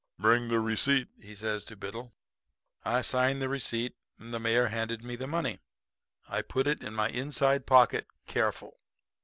"'Bring the receipt,' he says to Biddle. "I signed the receipt and the mayor handed me the money. I put it in my inside pocket careful.